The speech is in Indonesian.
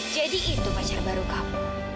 jadi itu pacar baru kamu